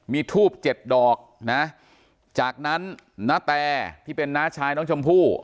มีทูบเจ็ดดอกนะจากนั้นณแตที่เป็นน้าชายน้องชมพู่